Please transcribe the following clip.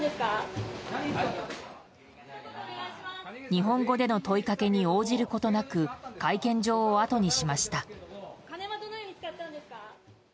日本語での問いかけに応じることなく会見場をあとにしました。